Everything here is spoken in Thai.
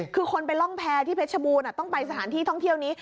คือคนไปร่องแพรที่เพชรบูรณ์ต้องไปสถานที่ท่องเที่ยวนี้